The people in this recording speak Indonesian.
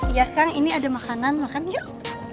ya kang ini ada makanan makan yuk